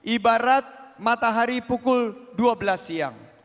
ibarat matahari pukul dua belas siang